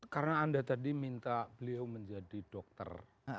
karena anda tadi minta beliau menjadi dokter